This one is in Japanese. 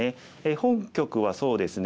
本局はそうですね